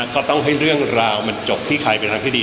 ก็ต้องให้เรื่องราวมันจบที่ใครเป็นทางที่ดี